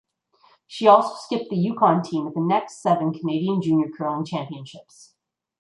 She also skipped the Yukon team at the next seven Canadian Junior Curling Championships.